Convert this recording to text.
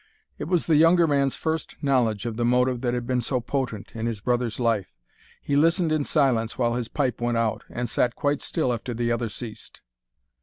It was the younger man's first knowledge of the motive that had been so potent in his brother's life. He listened in silence while his pipe went out, and sat quite still after the other ceased.